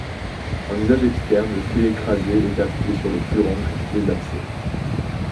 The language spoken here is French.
En usage externe, le fruit écrasé est appliqué sur les furoncles, les abcès.